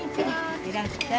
いらっしゃい。